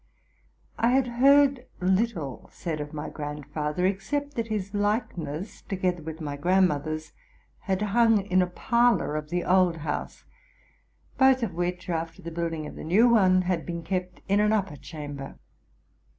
I had heard little said of my grandfather, except that his likeness, together with my grandmother's, had hung in a parlor of the old house; both of which, after the building of the new one, had been kept in an upper chamber.